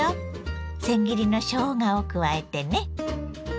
せん切りのしょうがを加えてね。